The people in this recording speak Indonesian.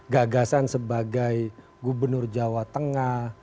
gagasan sebagai gubernur jawa tengah